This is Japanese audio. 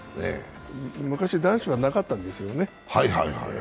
昔、男子はなかったですよね